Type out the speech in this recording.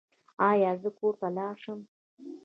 ایا زه کور ته لاړ شم؟